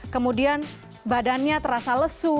kemudian badannya terasa lesu